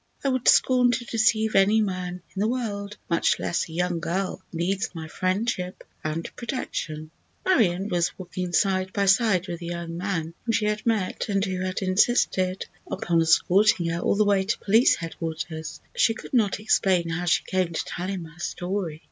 I would scorn to deceive any man in the world, much less a young girl who needs my friendship and protection." Marion was walking side by side with the young man whom she had met and who had insisted upon escorting her all the way to Police Headquarters. She could not explain how she came to tell him her story.